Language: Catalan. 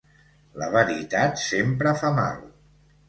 La veritat sempre fa mal.